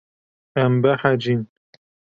Em behecîn.